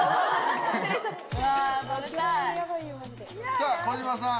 ・さぁ児嶋さん。